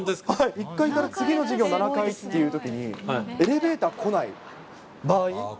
１階から次の授業７階っていうときに、エレベーター来ない場合？